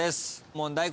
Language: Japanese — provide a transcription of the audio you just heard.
問題